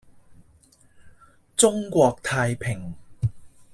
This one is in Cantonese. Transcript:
中國太平